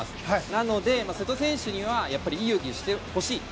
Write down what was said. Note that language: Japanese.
なので、瀬戸選手にはいい泳ぎをしてほしい。